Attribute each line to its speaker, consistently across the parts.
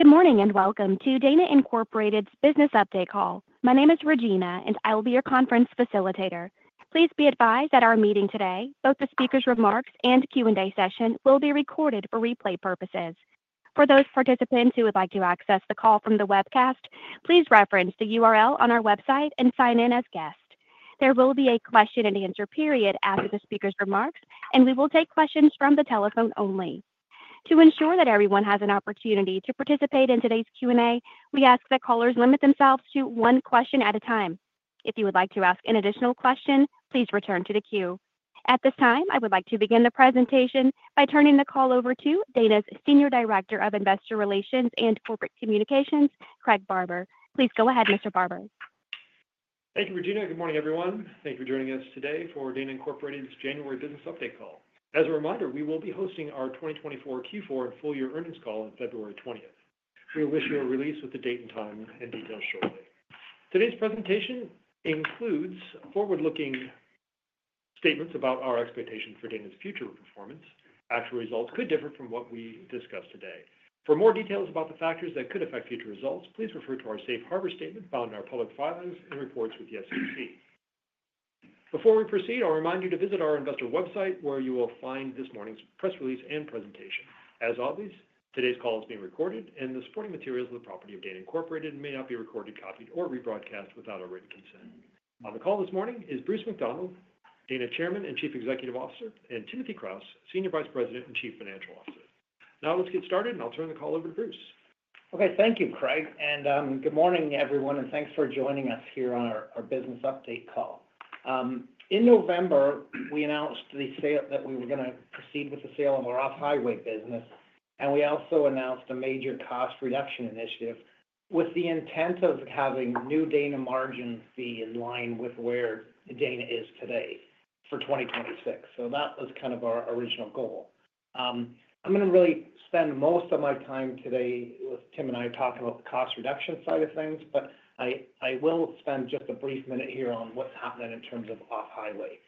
Speaker 1: Good morning and welcome to Dana Incorporated's Business Update Call. My name is Regina, and I will be your conference facilitator. Please be advised that our meeting today, both the speaker's remarks and Q&A session, will be recorded for replay purposes. For those participants who would like to access the call from the webcast, please reference the URL on our website and sign in as guests. There will be a question-and-answer period after the speaker's remarks, and we will take questions from the telephone only. To ensure that everyone has an opportunity to participate in today's Q&A, we ask that callers limit themselves to one question at a time. If you would like to ask an additional question, please return to the queue. At this time, I would like to begin the presentation by turning the call over to Dana's Senior Director of Investor Relations and Corporate Communications, Craig Barber. Please go ahead, Mr. Barber.
Speaker 2: Thank you, Regina. Good morning, everyone. Thank you for joining us today for Dana Incorporated's January Business Update Call. As a reminder, we will be hosting our 2024 Q4 and full-year earnings call on February 20th. We will issue a release with the date and time and details shortly. Today's presentation includes forward-looking statements about our expectation for Dana's future performance. Actual results could differ from what we discuss today. For more details about the factors that could affect future results, please refer to our Safe Harbor statement found in our public filings and reports with the SEC. Before we proceed, I'll remind you to visit our investor website, where you will find this morning's press release and presentation. As always, today's call is being recorded, and the supporting materials are the property of Dana Incorporated and may not be recorded, copied, or rebroadcast without our written consent. On the call this morning is Bruce McDonald, Dana Chairman and Chief Executive Officer, and Timothy Kraus, Senior Vice President and Chief Financial Officer. Now let's get started, and I'll turn the call over to Bruce.
Speaker 3: Okay. Thank you, Craig, and good morning, everyone, and thanks for joining us here on our Business Update Call. In November, we announced that we were going to proceed with the sale of our Off-Highway business, and we also announced a major cost reduction initiative with the intent of having new Dana margins be in line with where Dana is today for 2026. So that was kind of our original goal. I'm going to really spend most of my time today with Tim and I talking about the cost reduction side of things, but I will spend just a brief minute here on what's happening in terms of Off-Highway,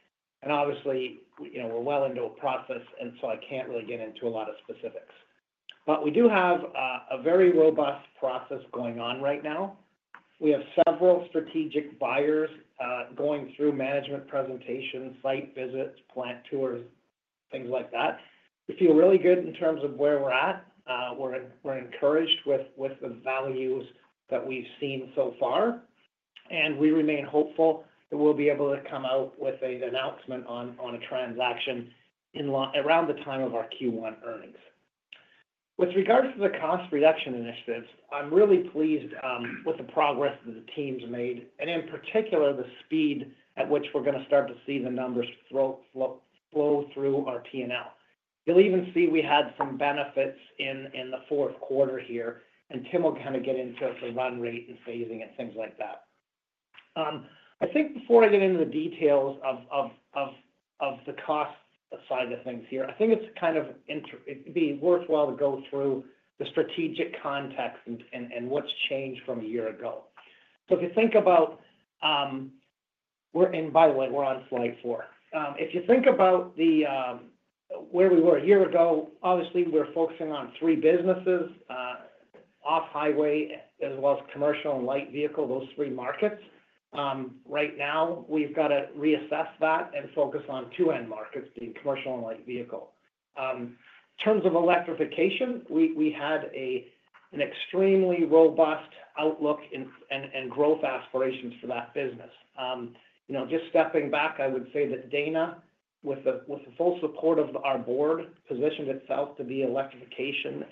Speaker 3: and obviously, we're well into a process, and so I can't really get into a lot of specifics, but we do have a very robust process going on right now. We have several strategic buyers going through management presentations, site visits, plant tours, things like that. We feel really good in terms of where we're at. We're encouraged with the values that we've seen so far, and we remain hopeful that we'll be able to come out with an announcement on a transaction around the time of our Q1 earnings. With regards to the cost reduction initiatives, I'm really pleased with the progress that the team's made, and in particular, the speed at which we're going to start to see the numbers flow through our P&L. You'll even see we had some benefits in the fourth quarter here, and Tim will kind of get into the run rate and phasing and things like that. I think before I get into the details of the cost side of things here, I think it's kind of worthwhile to go through the strategic context and what's changed from a year ago. So if you think about, by the way, we're on Slide 4. If you think about where we were a year ago, obviously, we're focusing on three businesses: Off-Highway as well commercial and Light Vehicle, those three markets. Right now, we've got to reassess that and focus on two end markets, commercial and Light Vehicle. In terms of electrification, we had an extremely robust outlook and growth aspirations for that business. Just stepping back, I would say that Dana, with the full support of our board, positioned itself to be the leader in electrification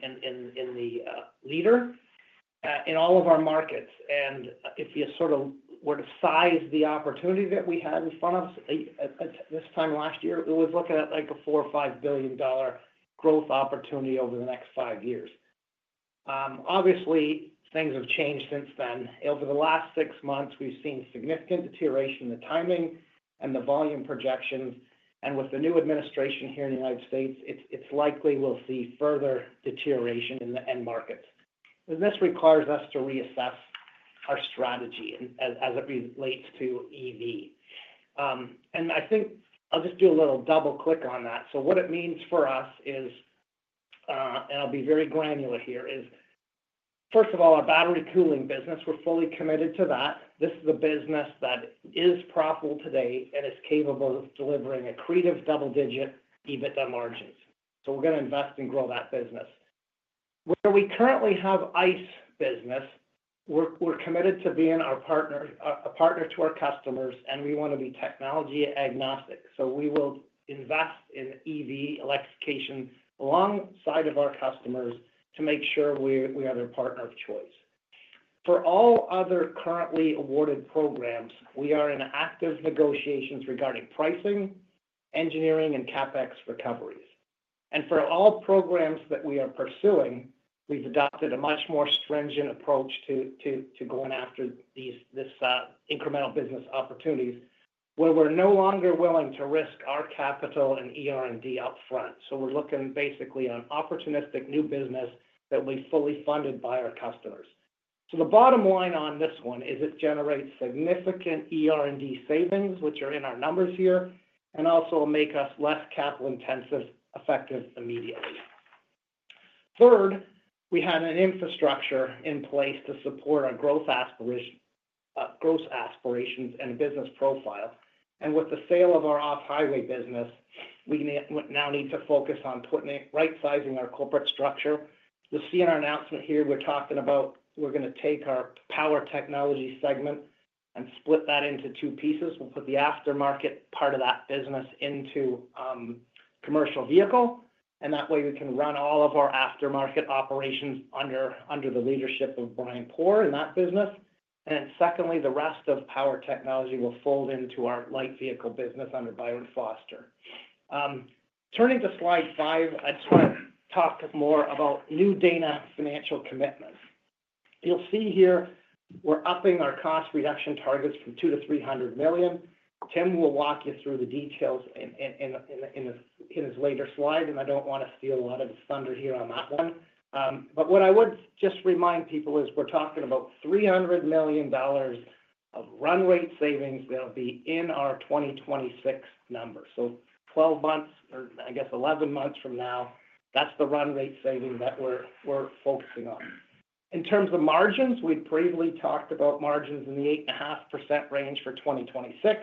Speaker 3: in all of our markets. And if you sort of were to size the opportunity that we had in front of us this time last year, we would look at a $4 billion or $5 billion growth opportunity over the next five years. Obviously, things have changed since then. Over the last six months, we've seen significant deterioration in the timing and the volume projections. And with the new administration here in the United States, it's likely we'll see further deterioration in the end markets. And this requires us to reassess our strategy as it relates to EV. And I think I'll just do a little double-click on that. So what it means for us is, and I'll be very granular here, is, first of all, our battery cooling business, we're fully committed to that. This is a business that is profitable today and is capable of delivering accretive double-digit EBITDA margins. So we're going to invest and grow that business. Where we currently have ICE business, we're committed to being a partner to our customers, and we want to be technology agnostic. So we will invest in EV electrification alongside our customers to make sure we are their partner of choice. For all other currently awarded programs, we are in active negotiations regarding pricing, engineering, and CapEx recoveries. And for all programs that we are pursuing, we've adopted a much more stringent approach to going after these incremental business opportunities where we're no longer willing to risk our capital and ER&D upfront. So we're looking basically on opportunistic new business that we fully funded by our customers. So the bottom line on this one is it generates significant ER&D savings, which are in our numbers here, and also will make us less capital-intensive effective immediately. Third, we had an infrastructure in place to support our growth aspirations and business profile. And with the sale of our Off-Highway business, we now need to focus on right-sizing our corporate structure. You'll see in our announcement here, we're talking about we're going to take our Power Technologies segment and split that into two pieces. We'll put the aftermarket part of that business into Commercial Vehicle, and that way we can run all of our aftermarket operations under the leadership of Brian Pour in that business. And secondly, the rest of Power Technologies will fold into our Light Vehicle business under Byron Foster. Turning to Slide 5, I just want to talk more about new Dana financial commitments. You'll see here we're upping our cost reduction targets from $200 million-$300 million. Tim will walk you through the details in his later slide, and I don't want to steal a lot of his thunder here on that one. But what I would just remind people is we're talking about $300 million of run rate savings that'll be in our 2026 numbers. So 12 months or, I guess, 11 months from now, that's the run rate saving that we're focusing on. In terms of margins, we'd briefly talked about margins in the 8.5% range for 2026,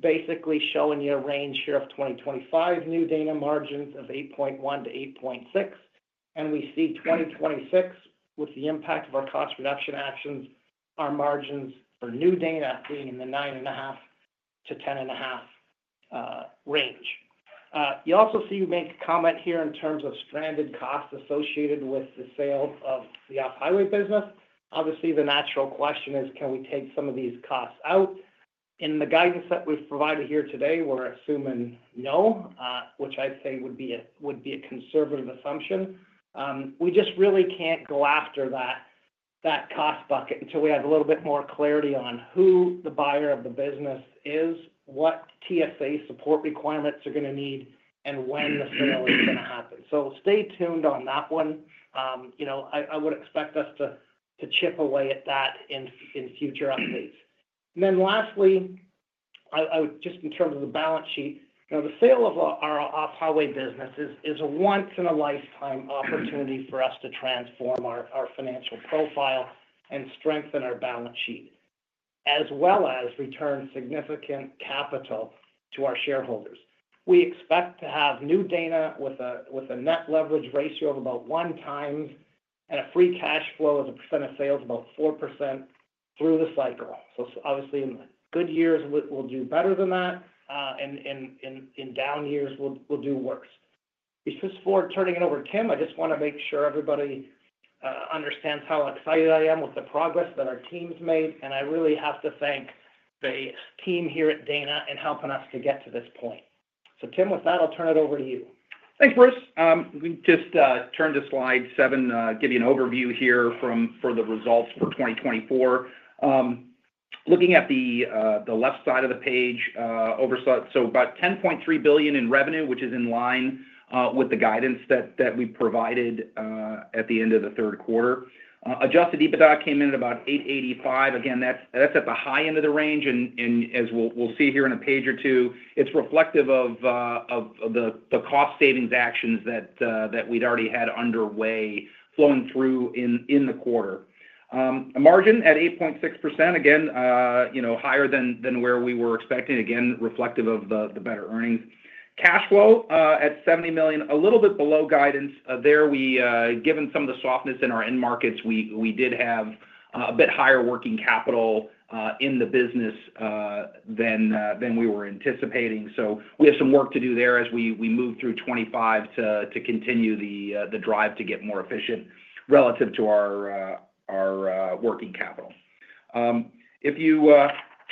Speaker 3: basically showing you a range here of 2025 new Dana margins of 8.1%-8.6%. And we see 2026, with the impact of our cost reduction actions, our margins for new Dana being in the 9.5%-10.5% range. You also see we make a comment here in terms of stranded costs associated with the sale of the Off-Highway business. Obviously, the natural question is, can we take some of these costs out? In the guidance that we've provided here today, we're assuming no, which I'd say would be a conservative assumption. We just really can't go after that cost bucket until we have a little bit more clarity on who the buyer of the business is, what TSA support requirements are going to need, and when the sale is going to happen. So stay tuned on that one. I would expect us to chip away at that in future updates. And then lastly, just in terms of the balance sheet, the sale of our Off-Highway business is a once-in-a-lifetime opportunity for us to transform our financial profile and strengthen our balance sheet, as well as return significant capital to our shareholders. We expect to have new Dana with a net leverage ratio of about one times and a free cash flow of about 4% of sales through the cycle, so obviously, in good years, we'll do better than that. In down years, we'll do worse. Before turning it over to Tim, I just want to make sure everybody understands how excited I am with the progress that our team's made, and I really have to thank the team here at Dana and helping us to get to this point, so Tim, with that, I'll turn it over to you.
Speaker 4: Thanks, Bruce. We just turned to Slide 7 to give you an overview here of the results for 2024. Looking at the left side of the page, so about $10.3 billion in revenue, which is in line with the guidance that we provided at the end of the third quarter. Adjusted EBITDA came in at about $885 million. Again, that's at the high end of the range. As we'll see here in a page or two, it's reflective of the cost savings actions that we'd already had underway flowing through in the quarter. Margin at 8.6%, again, higher than where we were expecting, again, reflective of the better earnings. Cash flow at $70 million, a little bit below guidance. There, given some of the softness in our end markets, we did have a bit higher working capital in the business than we were anticipating. So we have some work to do there as we move through 2025 to continue the drive to get more efficient relative to our working capital. If you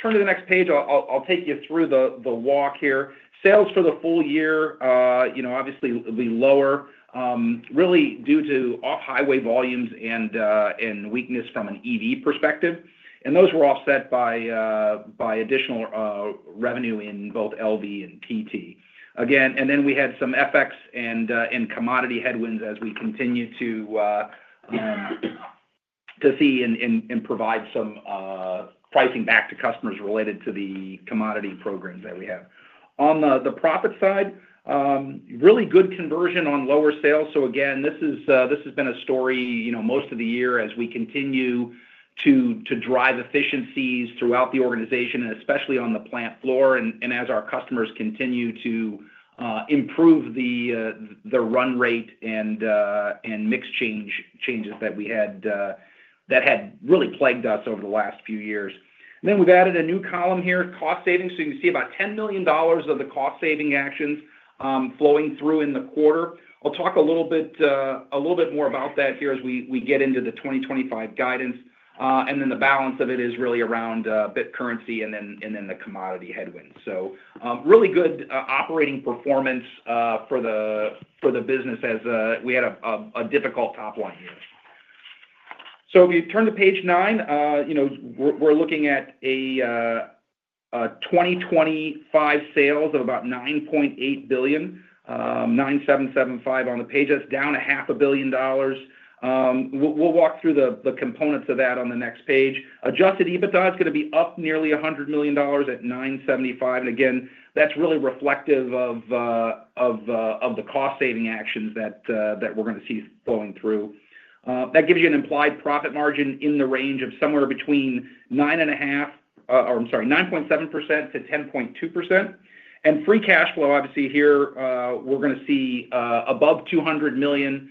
Speaker 4: turn to the next page, I'll take you through the WACC here. Sales for the full year, obviously, will be lower really due to Off-Highway volumes and weakness from an EV perspective. And those were offset by additional revenue in both LV and PT. Again, and then we had some FX and commodity headwinds as we continue to see and provide some pricing back to customers related to the commodity programs that we have. On the profit side, really good conversion on lower sales. So again, this has been a story most of the year as we continue to drive efficiencies throughout the organization, especially on the plant floor and as our customers continue to improve the run rate and mixed change changes that we had that had really plagued us over the last few years, and then we've added a new column here, cost savings, so you can see about $10 million of the cost saving actions flowing through in the quarter. I'll talk a little bit more about that here as we get into the 2025 guidance, and then the balance of it is really around FX currency and then the commodity headwinds, so really good operating performance for the business as we had a difficult top line here. If you turn to page nine, we're looking at 2025 sales of about $9.8 billion, $9,775 million on the pages, down $500 million. We'll walk through the components of that on the next page. Adjusted EBITDA is going to be up nearly $100 million at $975 million. And again, that's really reflective of the cost saving actions that we're going to see flowing through. That gives you an implied profit margin in the range of somewhere between 9.5%, or I'm sorry, 9.7%-10.2%. And free cash flow, obviously here, we're going to see above $200 million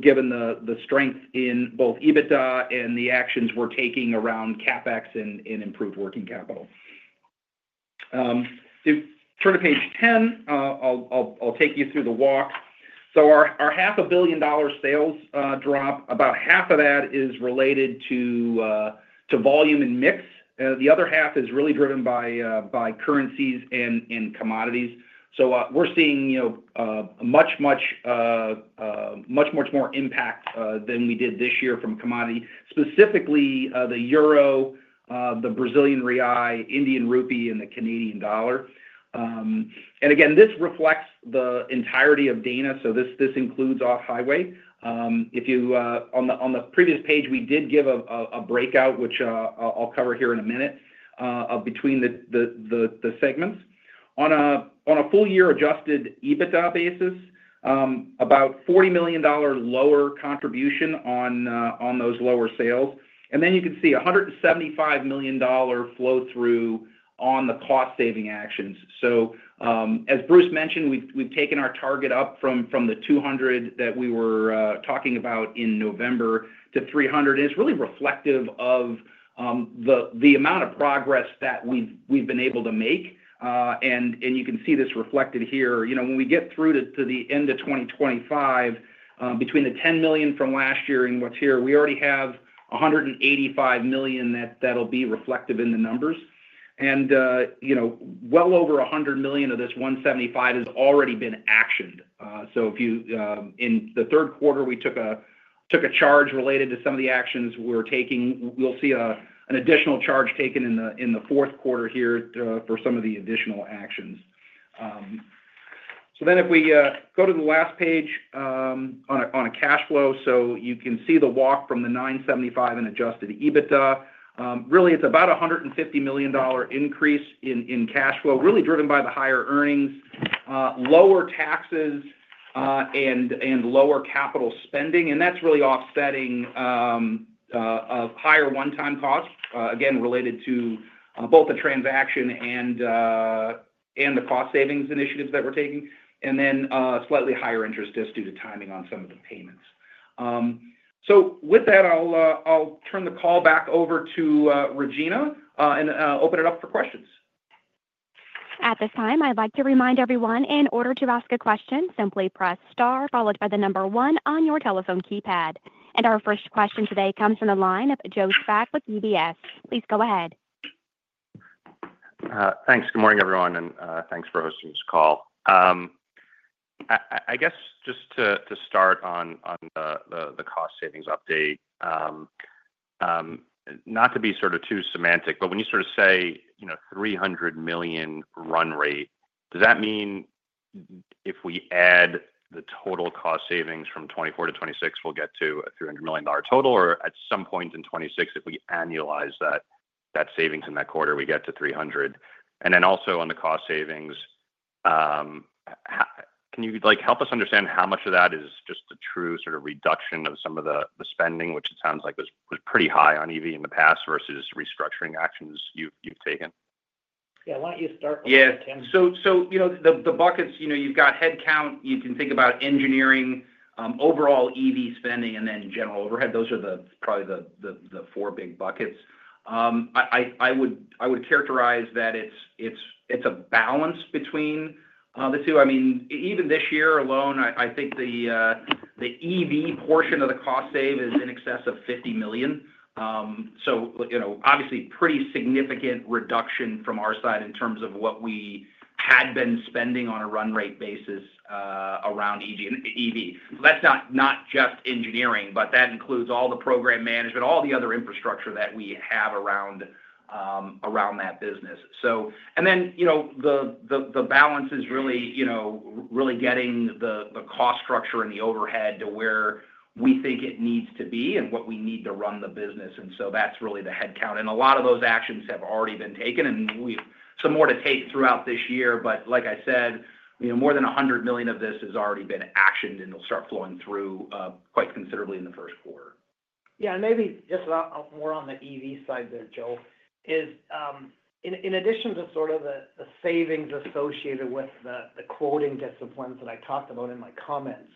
Speaker 4: given the strength in both EBITDA and the actions we're taking around CapEx and improved working capital. If you turn to page 10, I'll take you through the WACC. Our $500 million sales drop, about half of that is related to volume and mix. The other half is really driven by currencies and commodities. So we're seeing much, much more impact than we did this year from commodity, specifically the euro, the Brazilian real, Indian rupee, and the Canadian dollar. And again, this reflects the entirety of Dana. So this includes Off-Highway. On the previous page, we did give a breakout, which I'll cover here in a minute, between the segments. On a full-year adjusted EBITDA basis, about $40 million lower contribution on those lower sales. And then you can see $175 million flow through on the cost saving actions. So as Bruce mentioned, we've taken our target up from the 200 that we were talking about in November to 300. And it's really reflective of the amount of progress that we've been able to make. And you can see this reflected here. When we get through to the end of 2025, between the $10 million from last year and what's here, we already have $185 million that'll be reflective in the numbers, and well over $100 million of this $175 million has already been actioned. In the third quarter, we took a charge related to some of the actions we're taking. We'll see an additional charge taken in the fourth quarter here for some of the additional actions. Then if we go to the last page on a cash flow, you can see the WACC from the $975 million and Adjusted EBITDA. Really, it's about a $150 million increase in cash flow, really driven by the higher earnings, lower taxes, and lower capital spending. That's really offsetting higher one-time costs, again, related to both the transaction and the cost savings initiatives that we're taking. And then slightly higher interest just due to timing on some of the payments. So with that, I'll turn the call back over to Regina and open it up for questions.
Speaker 1: At this time, I'd like to remind everyone, in order to ask a question, simply press star followed by the number one on your telephone keypad. And our first question today comes from the line of Joe Spak with UBS. Please go ahead.
Speaker 5: Thanks. Good morning, everyone. And thanks for hosting this call. I guess just to start on the cost savings update, not to be sort of too semantic, but when you sort of say $300 million run rate, does that mean if we add the total cost savings from 2024-2026, we'll get to a $300 million total, or at some point in 2026, if we annualize that savings in that quarter, we get to 300? And then also on the cost savings, can you help us understand how much of that is just a true sort of reduction of some of the spending, which it sounds like was pretty high on EV in the past versus restructuring actions you've taken?
Speaker 3: Yeah. Why don't you start with that, Tim?
Speaker 4: Yeah. So the buckets, you've got headcount. You can think about engineering, overall EV spending, and then general overhead. Those are probably the four big buckets. I would characterize that it's a balance between the two. I mean, even this year alone, I think the EV portion of the cost save is in excess of $50 million. So obviously, pretty significant reduction from our side in terms of what we had been spending on a run rate basis around EV. That's not just engineering, but that includes all the program management, all the other infrastructure that we have around that business. And then the balance is really getting the cost structure and the overhead to where we think it needs to be and what we need to run the business. And so that's really the headcount. And a lot of those actions have already been taken, and we have some more to take throughout this year. But like I said, more than $100 million of this has already been actioned, and it'll start flowing through quite considerably in the first quarter.
Speaker 3: Yeah. And maybe just more on the EV side there, Joe, is in addition to sort of the savings associated with the quoting disciplines that I talked about in my comments,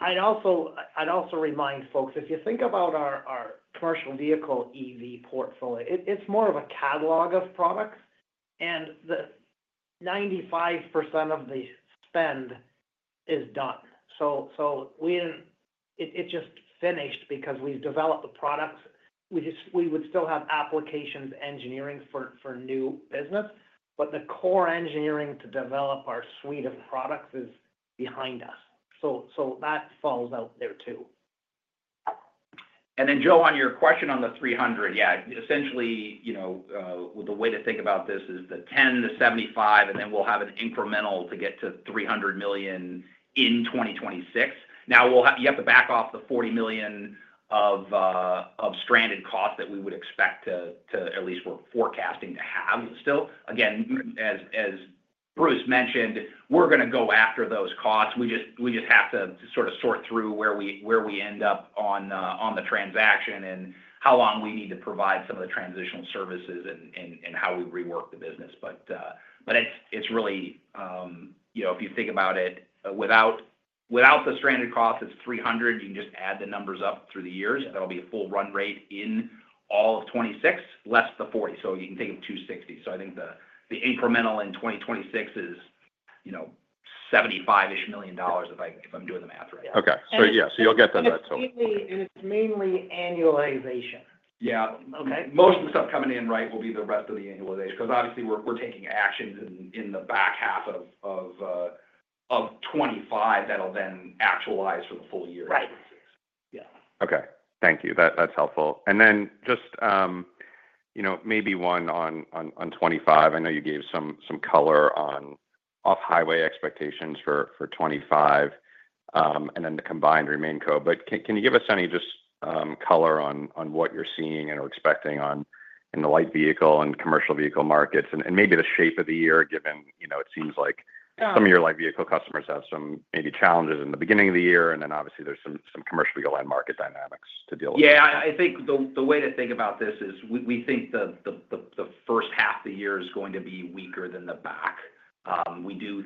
Speaker 3: I'd also remind folks, if you think about our Commercial Vehicle EV portfolio, it's more of a catalog of products, and 95% of the spend is done. So it just finished because we've developed the products. We would still have applications engineering for new business, but the core engineering to develop our suite of products is behind us. So that falls out there too.
Speaker 4: And then, Joe, on your question on the $300 million, yeah, essentially, the way to think about this is the $10 million, the $75 million, and then we'll have an incremental to get to $300 million in 2026. Now, you have to back off the $40 million of stranded costs that we would expect to at least we're forecasting to have still. Again, as Bruce mentioned, we're going to go after those costs. We just have to sort of sort through where we end up on the transaction and how long we need to provide some of the transitional services and how we rework the business. But it's really, if you think about it, without the stranded costs, it's $300 million. You can just add the numbers up through the years. That'll be a full run rate in all of 2026, less the $40 million. So you can think of $260 million. So I think the incremental in 2026 is $75 million-ish if I'm doing the math right.
Speaker 5: Yeah. Okay. So yeah, so you'll get to that total.
Speaker 3: It's mainly annualization.
Speaker 4: Yeah. Most of the stuff coming in, right, will be the rest of the annualization because obviously, we're taking actions in the back half of 2025 that'll then actualize for the full year.
Speaker 3: Right. Yeah.
Speaker 5: Okay. Thank you. That's helpful. And then just maybe one on 2025. I know you gave some color on Off-Highway expectations for 2025 and then the combined remaining core. But can you give us any just color on what you're seeing and are expecting in the Light Vehicle and Commercial Vehicle markets and maybe the shape of the year given it seems like some of your Light Vehicle customers have some maybe challenges in the beginning of the year. And then obviously, there's some Commercial Vehicle and market dynamics to deal with?
Speaker 4: Yeah. I think the way to think about this is we think the first half of the year is going to be weaker than the back. We do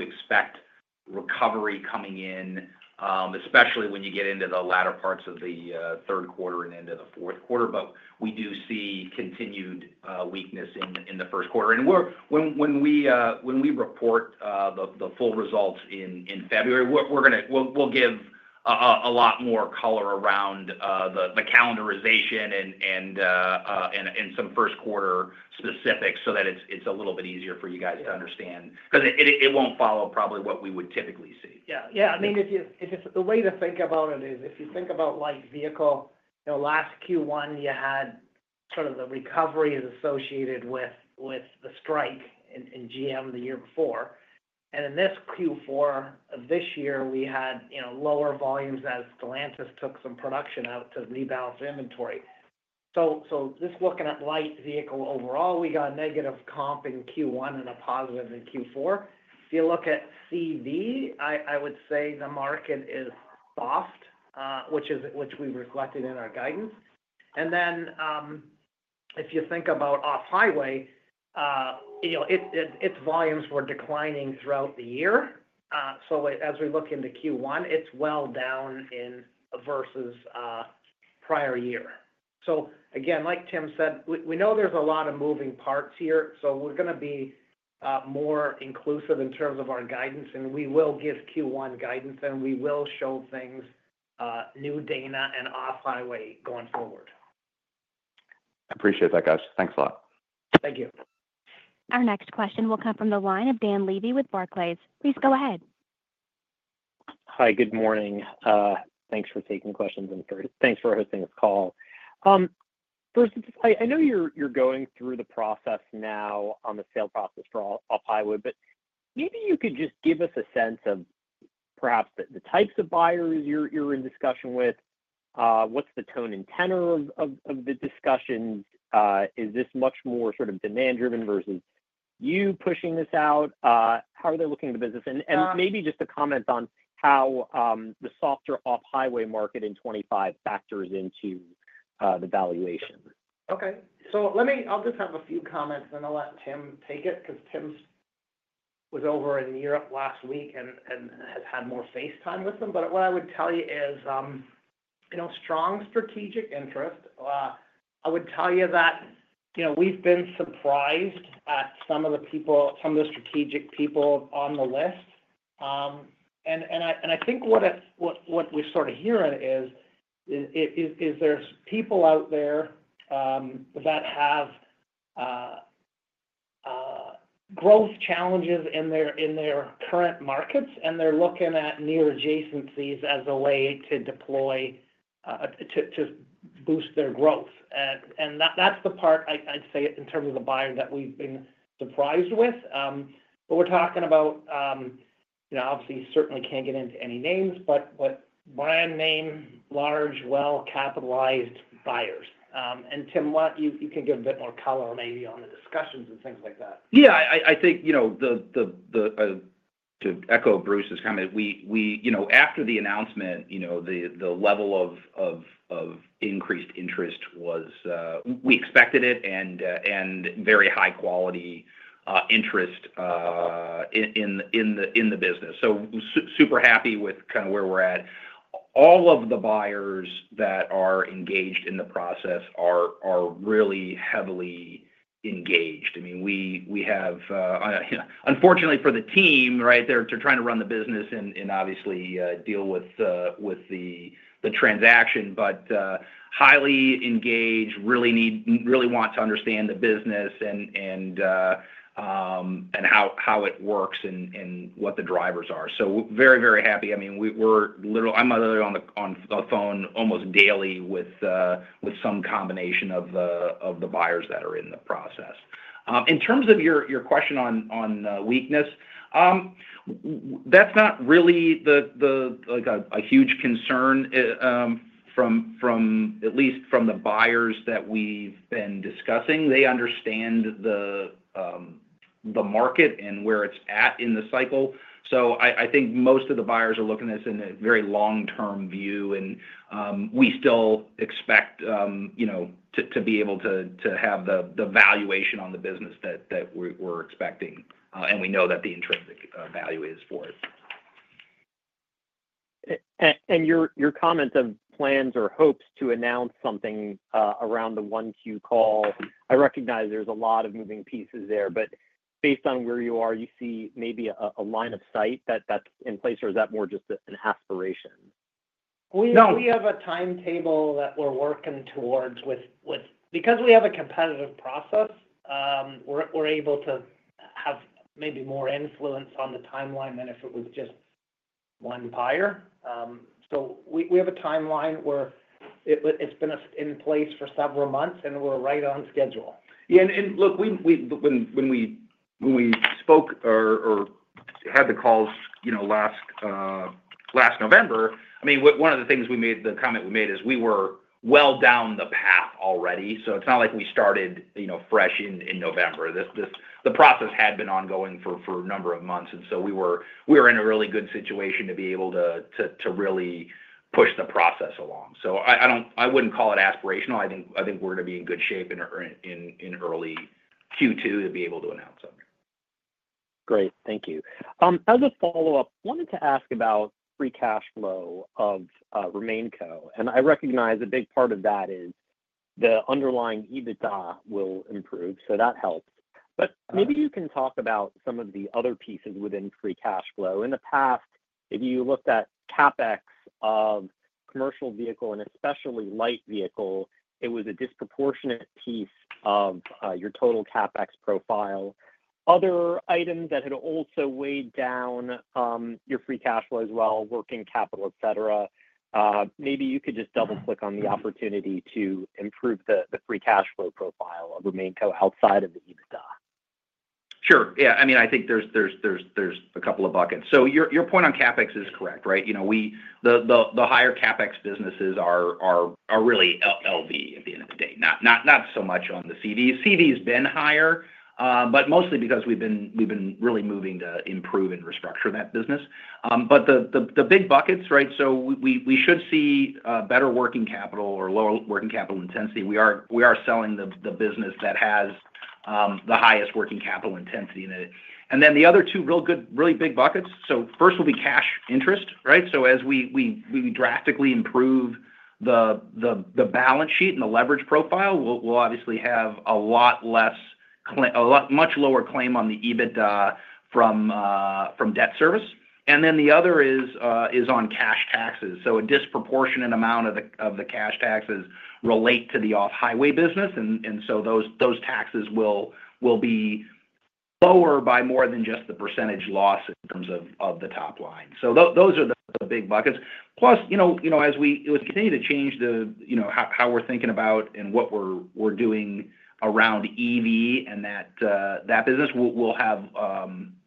Speaker 4: expect recovery coming in, especially when you get into the latter parts of the third quarter and into the fourth quarter. But we do see continued weakness in the first quarter. And when we report the full results in February, we'll give a lot more color around the calendarization and some first quarter specifics so that it's a little bit easier for you guys to understand because it won't follow probably what we would typically see.
Speaker 3: Yeah. Yeah. I mean, the way to think about it is if you think about Light Vehicle, last Q1, you had sort of the recovery associated with the strike in GM the year before. And in this Q4 of this year, we had lower volumes as Stellantis took some production out to rebalance inventory. So just looking at Light Vehicle overall, we got a negative comp in Q1 and a positive in Q4. If you look at CV, I would say the market is soft, which we've reflected in our guidance. And then if you think about Off-Highway, its volumes were declining throughout the year. So as we look into Q1, it's well down versus prior year. So again, like Tim said, we know there's a lot of moving parts here. So we're going to be more inclusive in terms of our guidance, and we will give Q1 guidance, and we will show things, new data and Off-Highway going forward.
Speaker 5: I appreciate that, guys. Thanks a lot.
Speaker 3: Thank you.
Speaker 1: Our next question will come from the line of Dan Levy with Barclays. Please go ahead.
Speaker 6: Hi. Good morning. Thanks for taking the questions and thanks for hosting this call. Bruce, I know you're going through the process now on the sale process for Off-Highway, but maybe you could just give us a sense of perhaps the types of buyers you're in discussion with. What's the tone and tenor of the discussions? Is this much more sort of demand-driven versus you pushing this out? How are they looking at the business? And maybe just a comment on how the softer Off-Highway market in 2025 factors into the valuation.
Speaker 3: Okay. So I'll just have a few comments, and I'll let Tim take it because Tim was over in Europe last week and has had more face time with them. But what I would tell you is strong strategic interest. I would tell you that we've been surprised at some of the people, some of the strategic people on the list. And I think what we're sort of hearing is there's people out there that have growth challenges in their current markets, and they're looking at near adjacencies as a way to deploy to boost their growth. And that's the part, I'd say, in terms of the buyer that we've been surprised with. But we're talking about, obviously, certainly can't get into any names, but brand name, large, well-capitalized buyers. And Tim, you can give a bit more color maybe on the discussions and things like that.
Speaker 4: Yeah. I think to echo Bruce's comment, after the announcement, the level of increased interest was we expected it and very high-quality interest in the business. So super happy with kind of where we're at. All of the buyers that are engaged in the process are really heavily engaged. I mean, we have, unfortunately, for the team, right, they're trying to run the business and obviously deal with the transaction, but highly engaged, really want to understand the business and how it works and what the drivers are. So very, very happy. I mean, I'm literally on the phone almost daily with some combination of the buyers that are in the process. In terms of your question on weakness, that's not really a huge concern, at least from the buyers that we've been discussing. They understand the market and where it's at in the cycle. I think most of the buyers are looking at this in a very long-term view, and we still expect to be able to have the valuation on the business that we're expecting, and we know that the intrinsic value is for it.
Speaker 6: Your comments on plans or hopes to announce something around the 1Q call, I recognize there's a lot of moving parts there, but based on where you are, you see maybe a line of sight that's in place, or is that more just an aspiration?
Speaker 3: We have a timetable that we're working towards with because we have a competitive process, we're able to have maybe more influence on the timeline than if it was just one buyer. So we have a timeline where it's been in place for several months, and we're right on schedule.
Speaker 4: Yeah, and look, when we spoke or had the calls last November, I mean, one of the things we made, the comment we made is we were well down the path already. So it's not like we started fresh in November. The process had been ongoing for a number of months, and so we were in a really good situation to be able to really push the process along. So I wouldn't call it aspirational. I think we're going to be in good shape in early Q2 to be able to announce something.
Speaker 6: Great. Thank you. As a follow-up, I wanted to ask about Free Cash Flow of RemainCo, and I recognize a big part of that is the underlying EBITDA will improve, so that helps, but maybe you can talk about some of the other pieces within Free Cash Flow. In the past, if you looked at CapEx of Commercial Vehicle and especially Light Vehicle, it was a disproportionate piece of your total CapEx profile. Other items that had also weighed down your Free Cash Flow as well, Working Capital, etc., maybe you could just double-click on the opportunity to improve the Free Cash Flow profile of RemainCo outside of the EBITDA?
Speaker 4: Sure. Yeah. I mean, I think there's a couple of buckets. So your point on CapEx is correct, right? The higher CapEx businesses are really LV at the end of the day, not so much on the CV. CV has been higher, but mostly because we've been really moving to improve and restructure that business. But the big buckets, right, so we should see better working capital or lower working capital intensity. We are selling the business that has the highest working capital intensity in it. And then the other two really big buckets, so first will be cash interest, right? So as we drastically improve the balance sheet and the leverage profile, we'll obviously have a lot less, much lower claim on the EBITDA from debt service. And then the other is on cash taxes. A disproportionate amount of the cash taxes relate to the Off-Highway business, and those taxes will be lower by more than just the percentage loss in terms of the top line. Those are the big buckets. Plus, as we continue to change how we're thinking about and what we're doing around EV and that business,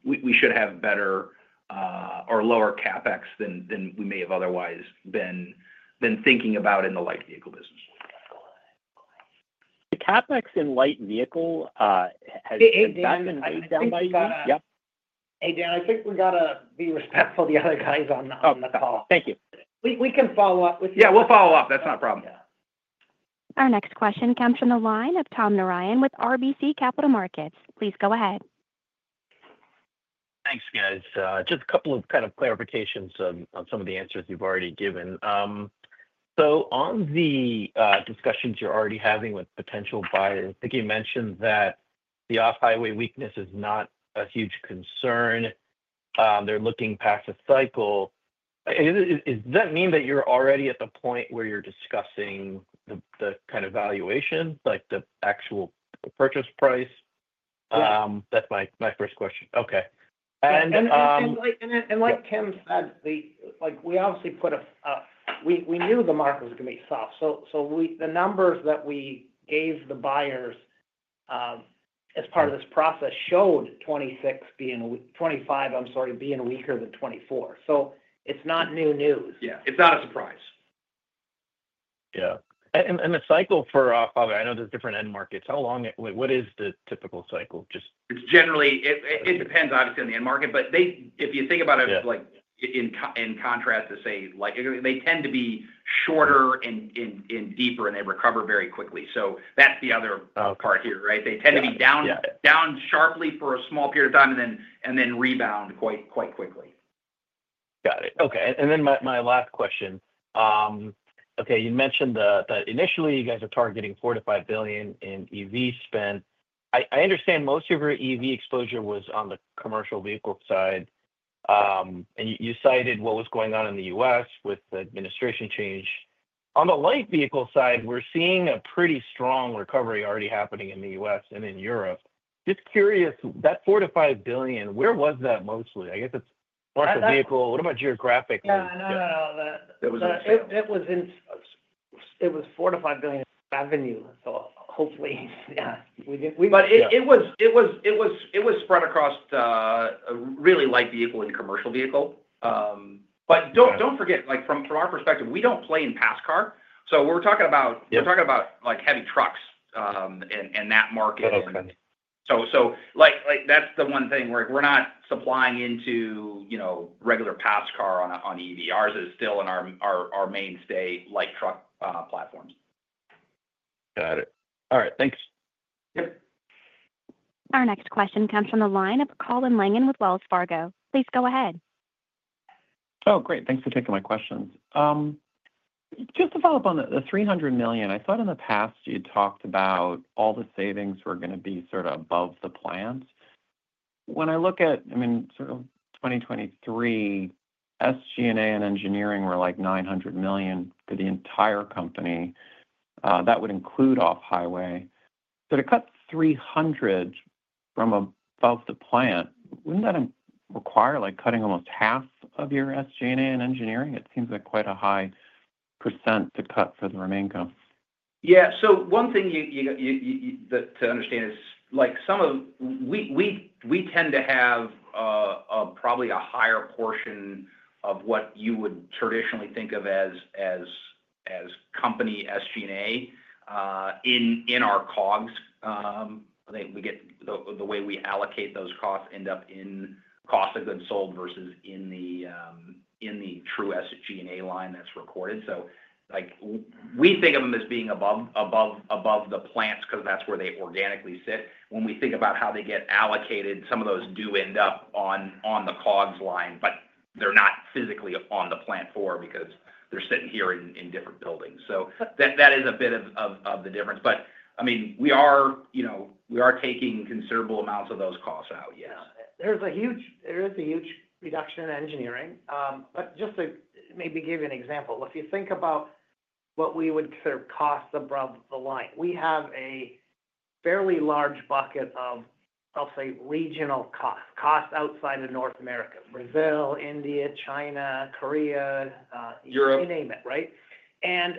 Speaker 4: we should have better or lower CapEx than we may have otherwise been thinking about in the Light Vehicle business.
Speaker 6: The CapEx in Light Vehicle, has that been weighed down by you?
Speaker 3: Hey, Dan, I think we got to be respectful of the other guys on the call.
Speaker 6: Thank you.
Speaker 3: We can follow up with you.
Speaker 5: Yeah, we'll follow up. That's not a problem.
Speaker 1: Our next question comes from the line of Tom Narayan with RBC Capital Markets. Please go ahead.
Speaker 7: Thanks, guys. Just a couple of kind of clarifications on some of the answers you've already given. So on the discussions you're already having with potential buyers, I think you mentioned that the Off-Highway weakness is not a huge concern. They're looking past the cycle. Does that mean that you're already at the point where you're discussing the kind of valuation, like the actual purchase price? That's my first question. Okay.
Speaker 3: Like Tim said, we obviously but we knew the market was going to be soft. So the numbers that we gave the buyers as part of this process showed 2026 being 2025, I'm sorry, being weaker than 2024. So it's not new news.
Speaker 4: Yeah. It's not a surprise.
Speaker 7: Yeah. And the cycle for Off-Highway, I know there's different end markets. How long? What is the typical cycle?
Speaker 4: It depends, obviously, on the end market. But if you think about it in contrast to, say, light, they tend to be shorter and deeper, and they recover very quickly. So that's the other part here, right? They tend to be down sharply for a small period of time and then rebound quite quickly.
Speaker 7: Got it. Okay. And then my last question. Okay. You mentioned that initially you guys are targeting $4 billion-$5 billion in EV spend. I understand most of your EV exposure was on the Commercial Vehicle side, and you cited what was going on in the U.S. with the administration change. On the Light Vehicle side, we're seeing a pretty strong recovery already happening in the U.S. and in Europe. Just curious, that $4 billion-$5 billion, where was that mostly? I guess it's part of the vehicle. What about geographically?
Speaker 3: No, no, no. It was $4 billion-$5 billion in view. So hopefully, yeah.
Speaker 4: But it was spread across really Light Vehicle and Commercial Vehicle. But don't forget, from our perspective, we don't play in passenger car. So we're talking about heavy trucks and that market. So that's the one thing. We're not supplying into regular passenger car on EV. Ours is still in our mainstay light truck platforms.
Speaker 7: Got it. All right. Thanks.
Speaker 3: Yep.
Speaker 1: Our next question comes from the line of Colin Langan with Wells Fargo. Please go ahead.
Speaker 8: Oh, great. Thanks for taking my questions. Just to follow up on the $300 million, I thought in the past you'd talked about all the savings were going to be sort of above the plant. When I look at, I mean, sort of 2023, SG&A and engineering were like $900 million for the entire company. That would include Off-Highway. So to cut $300 million from above the plant, wouldn't that require cutting almost half of your SG&A and engineering? It seems like quite a high % to cut for the RemainCo.
Speaker 4: Yeah. So one thing to understand is some of we tend to have probably a higher portion of what you would traditionally think of as company SG&A in our COGS. I think the way we allocate those costs end up in Cost of Goods Sold versus in the true SG&A line that's recorded. So we think of them as being above the plants because that's where they organically sit. When we think about how they get allocated, some of those do end up on the COGS line, but they're not physically on the plant floor because they're sitting here in different buildings. So that is a bit of the difference. But I mean, we are taking considerable amounts of those costs out, yes.
Speaker 3: There is a huge reduction in engineering, but just to maybe give you an example, if you think about what we would consider costs above the line, we have a fairly large bucket of, I'll say, regional costs outside of North America: Brazil, India, China, Korea, you name it, right, and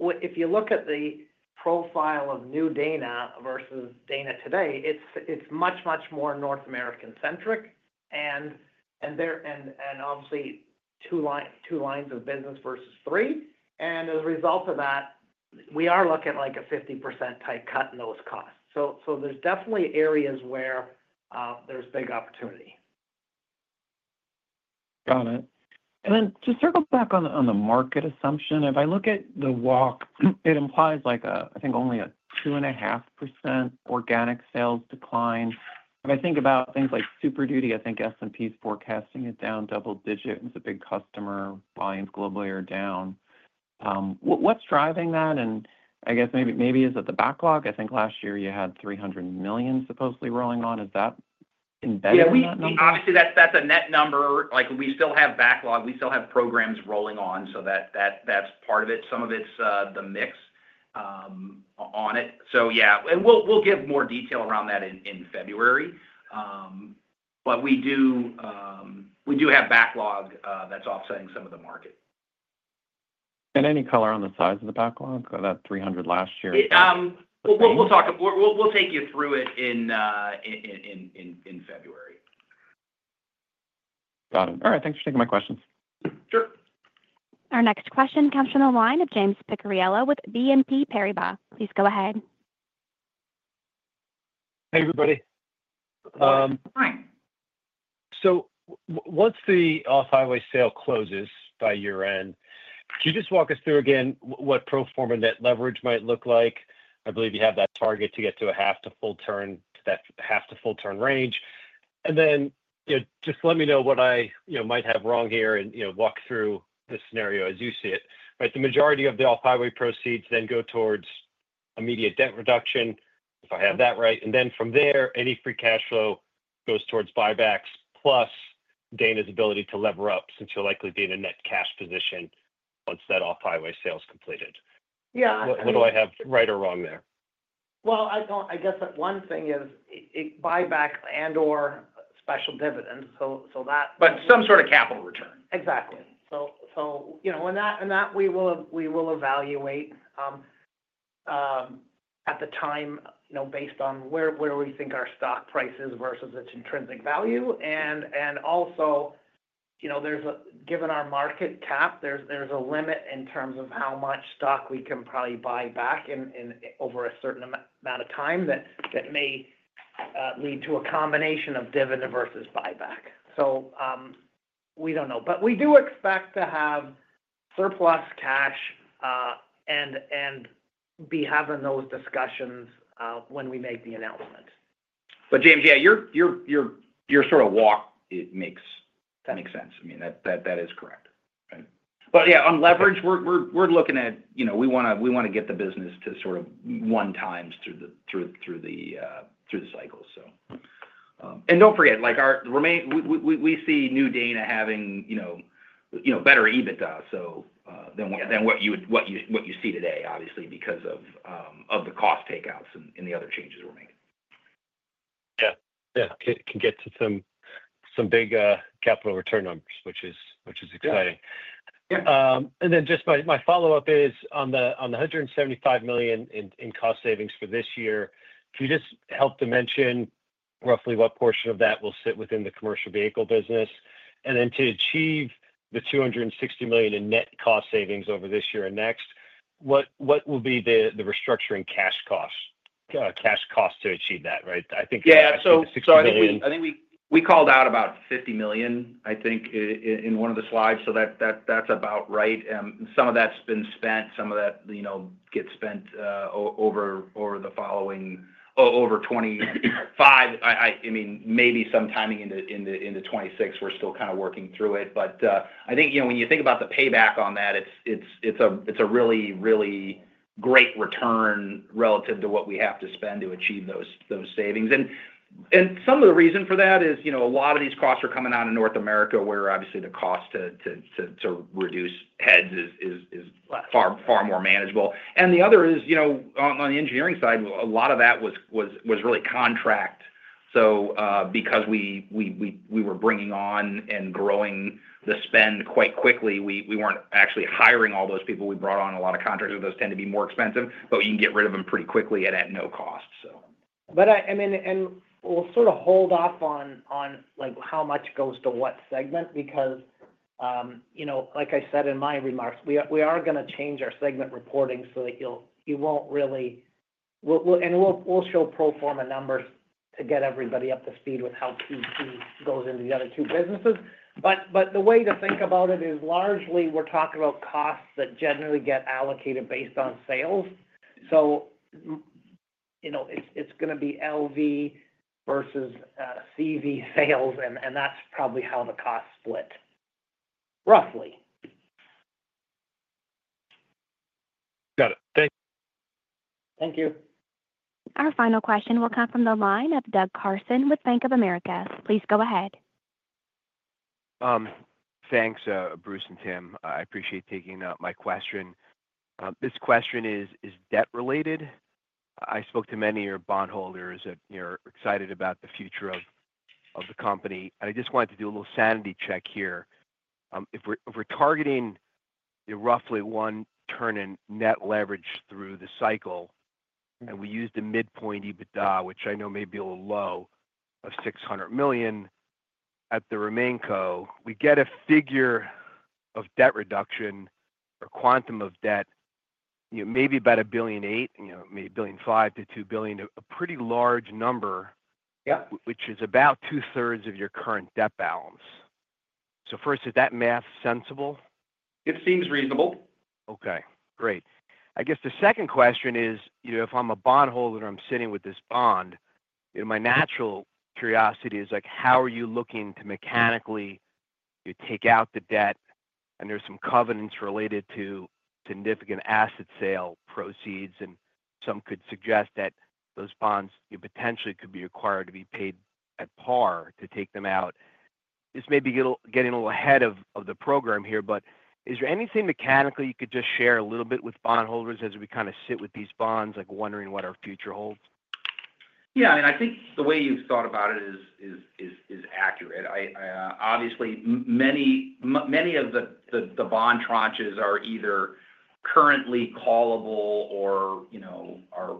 Speaker 3: if you look at the profile of new Dana versus Dana today, it's much, much more North American-centric and obviously two lines of business versus three, and as a result of that, we are looking at like a 50%-type cut in those costs, so there's definitely areas where there's big opportunity.
Speaker 8: Got it. And then to circle back on the market assumption, if I look at the walk, it implies I think only a 2.5% organic sales decline. If I think about things like Super Duty, I think S&P's forecasting it down double digits. It's a big customer. Buyings globally are down. What's driving that? And I guess maybe is it the backlog? I think last year you had $300 million supposedly rolling on. Is that embedded in that number?
Speaker 4: Yeah. Obviously, that's a net number. We still have backlog. We still have programs rolling on, so that's part of it. Some of it's the mix on it. So yeah. And we'll give more detail around that in February. But we do have backlog that's offsetting some of the market.
Speaker 8: Any color on the size of the backlog? That $300 million last year.
Speaker 4: We'll take you through it in February.
Speaker 8: Got it. All right. Thanks for taking my questions.
Speaker 4: Sure.
Speaker 1: Our next question comes from the line of James Picariello with BNP Paribas. Please go ahead.
Speaker 9: Hey, everybody. So once the Off-Highway sale closes by year-end, could you just walk us through again what pro forma net leverage might look like? I believe you have that target to get to a half to full turn, that half to full turn range. And then just let me know what I might have wrong here and walk through the scenario as you see it. The majority of the Off-Highway proceeds then go towards immediate debt reduction, if I have that right. And then from there, any free cash flow goes towards buybacks plus Dana's ability to lever up since you'll likely be in a net cash position once that Off-Highway sale is completed. What do I have right or wrong there?
Speaker 3: I guess one thing is buyback and/or special dividends. So that.
Speaker 4: But some sort of capital return.
Speaker 3: Exactly. So in that, we will evaluate at the time based on where we think our stock price is versus its intrinsic value. And also, given our market cap, there's a limit in terms of how much stock we can probably buy back over a certain amount of time that may lead to a combination of dividend versus buyback. So we don't know. But we do expect to have surplus cash and be having those discussions when we make the announcement.
Speaker 4: But James, yeah, your sort of WACC makes sense. I mean, that is correct. But yeah, on leverage, we're looking at, we want to get the business to sort of one-times through the cycle, so. And don't forget, we see new Dana having better EBITDA than what you see today, obviously, because of the cost take outs and the other changes we're making.
Speaker 3: Yeah. Yeah. Can get to some big capital return numbers, which is exciting.
Speaker 9: And then just my follow-up is on the $175 million in cost savings for this year, can you just help to mention roughly what portion of that will sit within the Commercial Vehicle business? And then to achieve the $260 million in net cost savings over this year and next, what will be the restructuring cash cost to achieve that, right? I think.
Speaker 4: Yeah. So starting with. We called out about $50 million, I think, in one of the slides. So that's about right. And some of that's been spent. Some of that gets spent over the following 2025. I mean, maybe some timing into 2026. We're still kind of working through it. But I think when you think about the payback on that, it's a really, really great return relative to what we have to spend to achieve those savings. And some of the reason for that is a lot of these costs are coming out of North America where, obviously, the cost to reduce heads is far more manageable. And the other is, on the engineering side, a lot of that was really contract. So because we were bringing on and growing the spend quite quickly, we weren't actually hiring all those people. We brought on a lot of contractors. Those tend to be more expensive, but we can get rid of them pretty quickly and at no cost, so.
Speaker 3: But I mean, and we'll sort of hold off on how much goes to what segment because, like I said in my remarks, we are going to change our segment reporting so that you won't really and we'll show pro forma numbers to get everybody up to speed with how PP goes into the other two businesses. But the way to think about it is largely we're talking about costs that generally get allocated based on sales. So it's going to be LV versus CV sales, and that's probably how the costs split, roughly.
Speaker 9: Got it. Thanks.
Speaker 3: Thank you.
Speaker 1: Our final question will come from the line of Doug Karson with Bank of America. Please go ahead.
Speaker 10: Thanks, Bruce and Tim. I appreciate taking up my question. This question is debt-related. I spoke to many of your bondholders that you're excited about the future of the company. I just wanted to do a little sanity check here. If we're targeting roughly one turn in net leverage through the cycle, and we used a midpoint EBITDA, which I know may be a little low, of $600 million at the RemainCo, we get a figure of debt reduction or quantum of debt, maybe about $1.8 billion, maybe $1.5 billion-$2 billion, a pretty large number, which is about two-thirds of your current debt balance. So first, is that math sensible?
Speaker 4: It seems reasonable.
Speaker 10: Okay. Great. I guess the second question is, if I'm a bondholder and I'm sitting with this bond, my natural curiosity is, how are you looking to mechanically take out the debt? And there's some covenants related to significant asset sale proceeds, and some could suggest that those bonds potentially could be required to be paid at par to take them out. This may be getting a little ahead of the program here, but is there anything mechanically you could just share a little bit with bondholders as we kind of sit with these bonds, wondering what our future holds?
Speaker 4: Yeah. I mean, I think the way you've thought about it is accurate. Obviously, many of the bond tranches are either currently callable or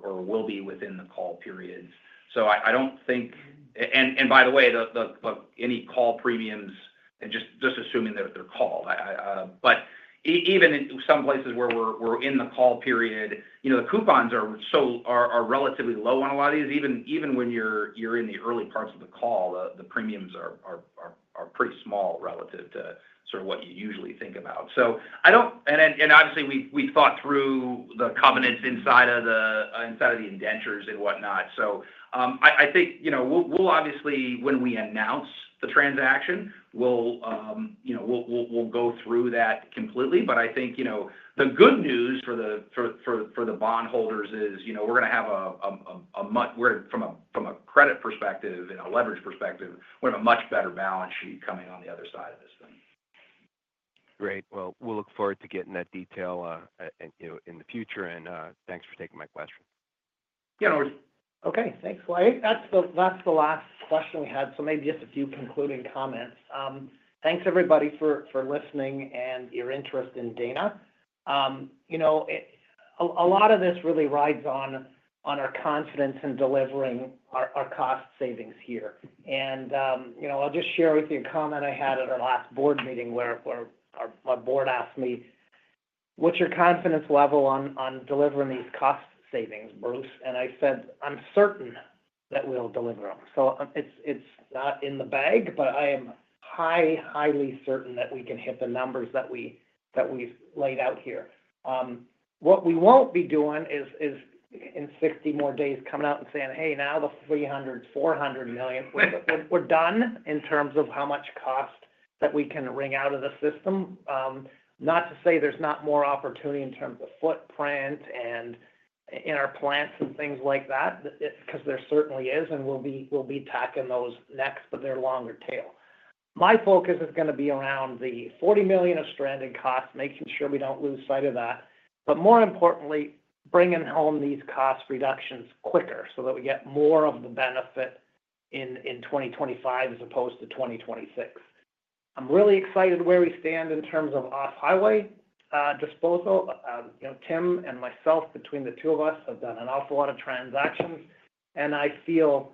Speaker 4: will be within the call period. So I don't think, and by the way, any call premiums, and just assuming that they're called. But even in some places where we're in the call period, the coupons are relatively low on a lot of these. Even when you're in the early parts of the call, the premiums are pretty small relative to sort of what you usually think about. And obviously, we thought through the covenants inside of the indentures and whatnot. So I think we'll obviously, when we announce the transaction, we'll go through that completely. But I think the good news for the bondholders is we're going to have, from a credit perspective and a leverage perspective, we have a much better balance sheet coming on the other side of this thing.
Speaker 10: Great. Well, we'll look forward to getting that detail in the future. And thanks for taking my question. Yeah. No worries. Okay. Thanks, Larry. That's the last question we had. So maybe just a few concluding comments. Thanks, everybody, for listening and your interest in Dana. A lot of this really rides on our confidence in delivering our cost savings here. And I'll just share with you a comment I had at our last board meeting where my board asked me, "What's your confidence level on delivering these cost savings, Bruce?" And I said, "I'm certain that we'll deliver them." So it's not in the bag, but I am highly certain that we can hit the numbers that we laid out here.
Speaker 3: What we won't be doing is, in 60 more days, coming out and saying, "Hey, now the $300 million-$400 million, we're done in terms of how much cost that we can wring out of the system." Not to say there's not more opportunity in terms of footprint and in our plants and things like that, because there certainly is, and we'll be tackling those next, but they're longer tail. My focus is going to be around the $40 million of stranded costs, making sure we don't lose sight of that. But more importantly, bringing home these cost reductions quicker so that we get more of the benefit in 2025 as opposed to 2026. I'm really excited where we stand in terms of Off-Highway disposal. Tim and myself, between the two of us, have done an awful lot of transactions. And I feel,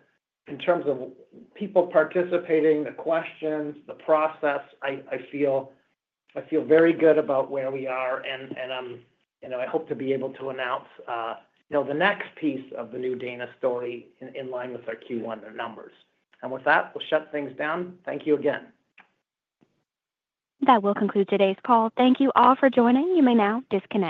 Speaker 3: in terms of people participating, the questions, the process, I feel very good about where we are. And I hope to be able to announce the next piece of the new Dana story in line with our Q1 numbers. And with that, we'll shut things down. Thank you again.
Speaker 1: That will conclude today's call. Thank you all for joining. You may now disconnect.